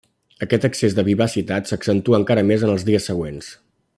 Aquest excés de vivacitat s'accentua encara més en els dies següents.